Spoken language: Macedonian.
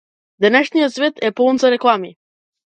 Денешниот свет е полн со реклами.